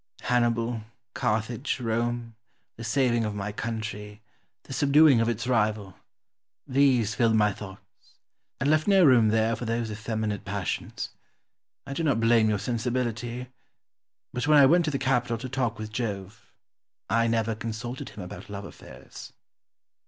Hannibal, Carthage, Rome, the saving of my country, the subduing of its rival, these filled my thoughts, and left no room there for those effeminate passions. I do not blame your sensibility; but when I went to the capitol to talk with Jove, I never consulted him about love affairs.